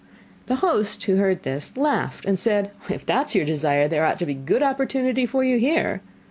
The host who heard this, laughed and said: 'If that is your desire, there ought to be a good opportunity for you here.